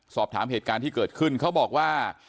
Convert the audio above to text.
สอบถามเหตุการณ์ที่เกิดขึ้นเขาบอกว่า